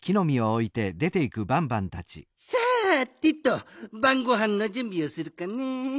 さてとばんごはんのじゅんびをするかね。